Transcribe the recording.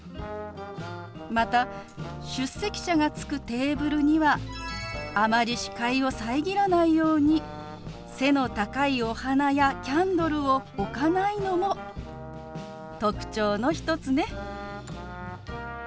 また出席者がつくテーブルにはあまり視界を遮らないように背の高いお花やキャンドルを置かないのも特徴の一つね。